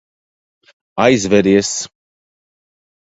Aizveries.